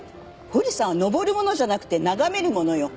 富士山は登るものじゃなくて眺めるものよ。